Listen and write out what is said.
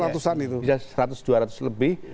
bisa seratus dua ratus lebih